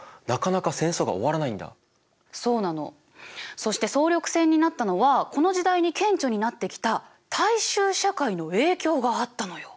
そして総力戦になったのはこの時代に顕著になってきた大衆社会の影響があったのよ。